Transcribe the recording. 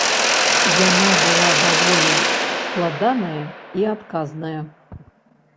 Яна была даволі складаная і адказная.